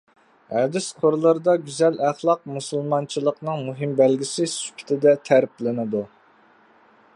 ھەدىس قۇرلىرىدا گۈزەل ئەخلاق مۇسۇلمانچىلىقنىڭ مۇھىم بەلگىسى سۈپىتىدە تەرىپلىنىدۇ.